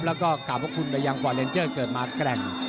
แล้วก็ขอบคุณใบยังฟอร์ดเรนเจอร์เกิดมาแกร่ง